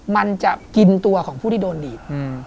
มันจะกินตัวของผู้ที่โดนดีด